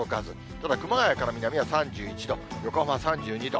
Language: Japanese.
ただ、熊谷から南は３１度、横浜３２度。